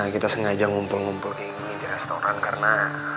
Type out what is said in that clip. kita sengaja ngumpul ngumpul kayak gini di restoran karena